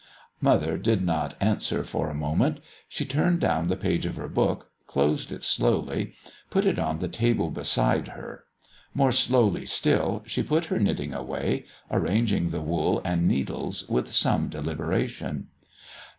Mother did not answer for a moment. She turned down the page of her book, closed it slowly, put it on the table beside her. More slowly still she put her knitting away, arranging the wool and needles with some deliberation.